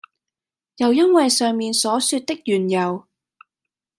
又因爲上面所說的緣由，